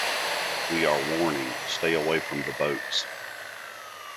We are warning, stay away from the boats.